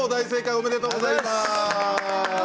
おめでとうございます。